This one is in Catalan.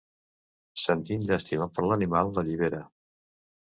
Sentint llàstima per l'animal, l'allibera.